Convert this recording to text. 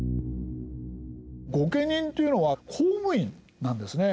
御家人というのは公務員なんですね。